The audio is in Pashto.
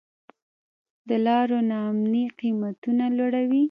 د لارو نا امني قیمتونه لوړوي.